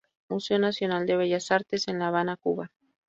Museo Nacional de Bellas Artes, en La Habana, Cuba.